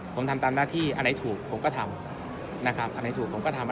ผมทำตามหน้าที่อันไหนถูกผมก็ทำนะครับอันไหนถูกผมก็ทำ